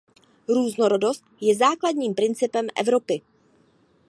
Různorodost je základním principem Evropy.